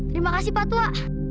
terima kasih pak tua